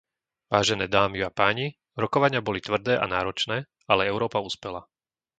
Vážené dámy a páni, rokovania boli tvrdé a náročné, ale Európa uspela.